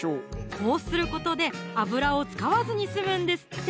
こうすることで油を使わずに済むんですって！